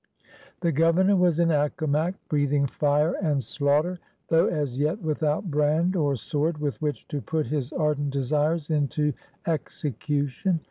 The Governor was in Accomac, breathing fire and slaughter, though. as yet without brand or sword with which to put his ardent desires into execution.